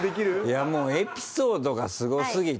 いやもうエピソードがすごすぎて。